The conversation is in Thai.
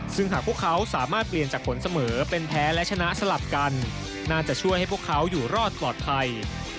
ซึ่งหากพวกเขาสามารถเปลี่ยนจากผลเสมอเป็นแพ้และชนะสลับกันน่าจะช่วยให้พวกเขาอยู่รอดปลอดภัย